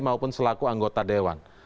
maupun selaku anggota dewan